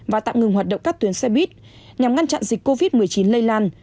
và tạm ngừng hoạt động các tuyến xe buýt nhằm ngăn chặn dịch covid một mươi chín lây lan